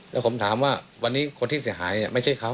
แล้วผมถามว่าวันนี้คนที่เสียหายไม่ใช่เขา